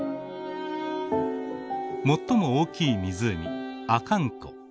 最も大きい湖阿寒湖。